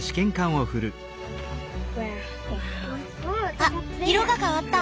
あっ色が変わった。